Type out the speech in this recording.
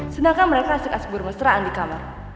sedangkan mereka asyik asyik bermesraan di kamar